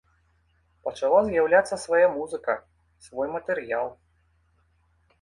Пачала з'яўляцца свая музыка, свой матэрыял.